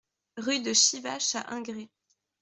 Rue de Chivache à Ingré